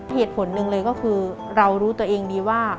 เหตุผลหนึ่งเลยก็คือเรารู้ตัวเองดีว่า